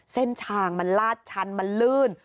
เส้นทางมันลาดชันมันลื่น